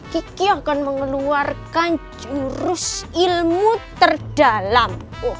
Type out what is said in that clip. kiki akan mengeluarkan jurus ilmu terdalam